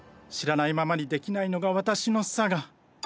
知らないままにできないのが私の性。